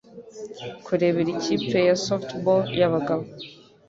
Kurebera ikipe ya softball y'abagabo